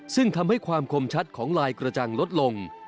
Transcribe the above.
ซึ่งทำให้ความคมชัดของลายกระจังลดลง